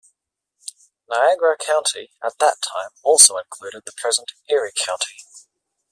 Niagara County at that time also included the present Erie County.